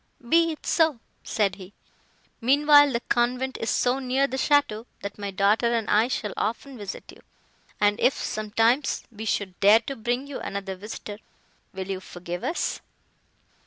"Be it so," said he, "meanwhile the convent is so near the château, that my daughter and I shall often visit you; and if, sometimes, we should dare to bring you another visitor—will you forgive us?"